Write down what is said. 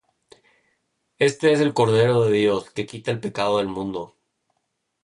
Éste es el Cordero de Dios, que quita el pecado del mundo.